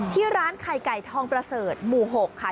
ที่ร้านไข่ไก่ทองประเสริฐหมู่๖ค่ะ